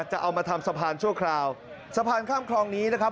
จะเอามาทำสะพานชั่วคราวสะพานข้ามคลองนี้นะครับ